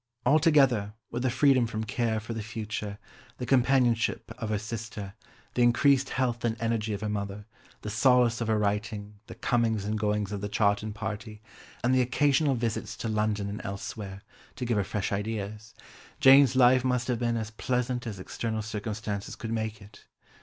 Altogether, with the freedom from care for the future, the companionship of her sister, the increased health and energy of her mother, the solace of her writing, the comings and goings of the Chawton party, and the occasional visits to London and elsewhere, to give her fresh ideas, Jane's life must have been as pleasant as external circumstances could make it.